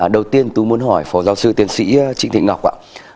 đầu tiên tôi muốn hỏi phó giáo sư tiến sĩ trịnh thị ngọc ạ